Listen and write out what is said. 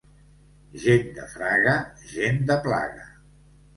Gent de Fraga, gent de plaga.